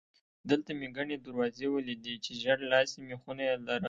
دلته مې ګڼې دروازې ولیدې چې ژېړ لاسي مېخونه یې لرل.